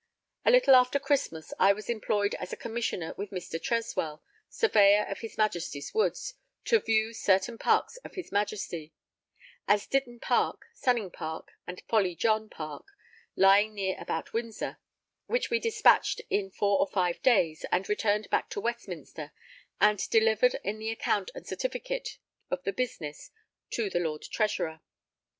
A little after Christmas, I was employed as a Commissioner with Mr. Treswell, Surveyor of his Majesty's Woods, to view certain parks of his Majesty: as Ditton Park, Sunning Park and Folly John Park, lying near about Windsor; which we despatched in four or five days, and returned back to Westminster, and delivered in the account and certificate of the business to the Lord Treasurer.